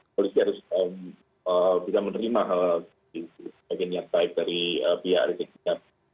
polisi harus bisa menerima hal sebagai niat baik dari pihak rizik sihab